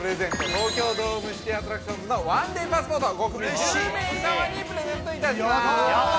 「東京ドームシティアトラクションズのワンデーパスポート、１０名様にプレゼントします。